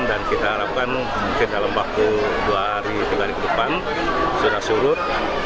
dan kita harapkan mungkin dalam waktu dua hari tiga hari ke depan sudah surut